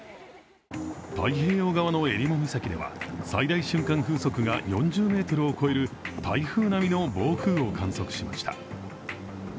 太平洋側のえりも岬では最大瞬間風速が４０メートルを超える台風並みの暴風雨を観測しました。